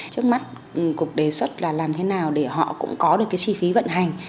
trước mắt cục đề xuất là làm thế nào để họ cũng có được cái chi phí vận hành